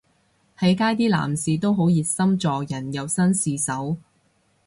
喺街啲男士都好熱心助人又紳士手